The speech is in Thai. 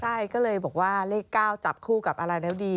ใช่ก็เลยบอกว่าเลข๙จับคู่กับอะไรแล้วดี